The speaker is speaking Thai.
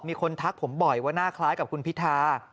มีคนทักผมบ่อยว่าน่าคล้ายกับคุณพิทา